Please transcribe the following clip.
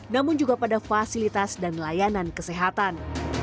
namun juga pada fasilitas dan layanan kesehatan